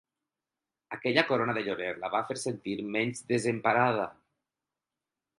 Aquella corona de llorer la va fer sentir menys desemparada.